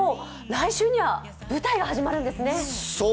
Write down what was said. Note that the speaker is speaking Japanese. そして来週には舞台があるんですよね？